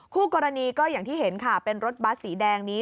คู่กรณีก็อย่างที่เห็นค่ะเป็นรถบัสสีแดงนี้